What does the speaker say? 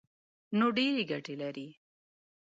نو ډېرې ګټې لري.